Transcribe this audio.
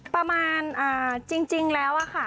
ประมาณจริงแล้วอะค่ะ